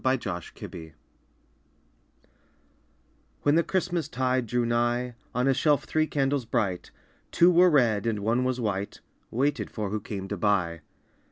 THE THREE CANDLES When the Christmas tide drew nigh, On a shelf three candles bright, Two were red and one was white, Waited for who came to buy.